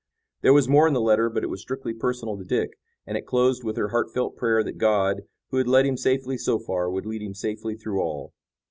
There was more in the letter, but it was strictly personal to Dick, and it closed with her heartfelt prayer that God, who had led him safely so far, would lead him safely through all.